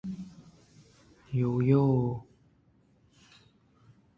The company was one of only five food retailers to be chosen nationwide.